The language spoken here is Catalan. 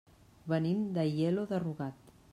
Venim d'Aielo de Rugat.